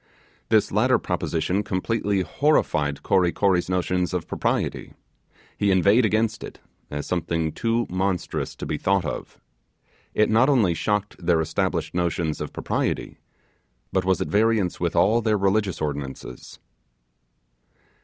This latter proposition completely horrified Kory Kory's notions of propriety. He inveighed against it, as something too monstrous to be thought of. It not only shocked their established notions of propriety, but was at variance with all their religious ordinances.